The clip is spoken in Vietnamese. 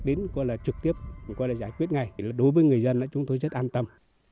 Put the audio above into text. đến trực tiếp giải quyết ngay đối với người dân chúng tôi rất an tâm